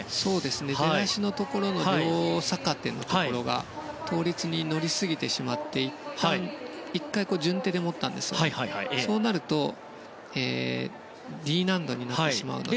出だしのところの両逆手のところが倒立に乗りすぎてしまって１回、順手で持ったんですがそうなると、Ｄ難度になるので。